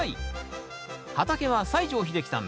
畑は西城秀樹さん